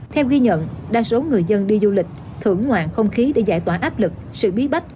theo ghi nhận đa số người dân đi du lịch thưởng ngoạn không khí để giải tỏa áp lực sự bí bách